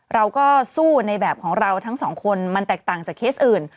เราก็สู้ในแบบของเราทั้งสองคนมันแตกต่างจากเคสอื่น